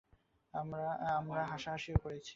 আমরা হাসাহাসিও করেছি।